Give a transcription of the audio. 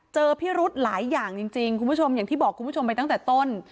พิรุธหลายอย่างจริงคุณผู้ชมอย่างที่บอกคุณผู้ชมไปตั้งแต่ต้น